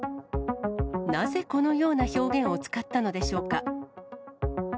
なぜこのような表現を使ったのでしょうか。